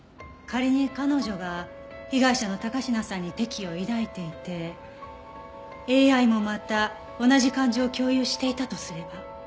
仮に彼女が被害者の高階さんに敵意を抱いていてＡＩもまた同じ感情を共有していたとすれば。